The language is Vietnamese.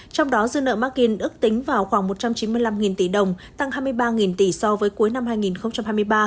trong đó dư nợ markin ước tính vào khoảng một trăm chín mươi năm tỷ đồng tăng hai mươi ba tỷ so với cuối năm hai nghìn hai mươi ba